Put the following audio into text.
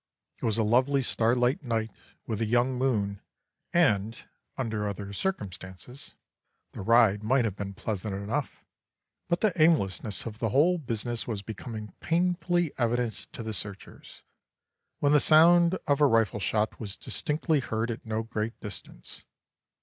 It was a lovely starlight night with a young moon, and, under other circumstances, the ride might have been pleasant enough; but the aimlessness of the whole business was becoming painfully evident to the searchers, when the sound of a rifle shot was distinctly heard at no great distance.